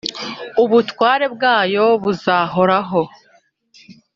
ubutware bwayo buzahoraho.